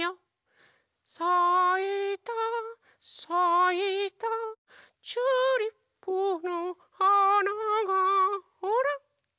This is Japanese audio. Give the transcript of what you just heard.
「さいたさいたチューリップのはなが」ほらきれいでしょ